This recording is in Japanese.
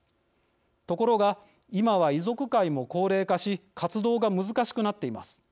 ところが、今は遺族会も高齢化し活動が難しくなっています。